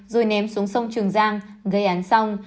rồi ném xuống sông trường giang gây án xong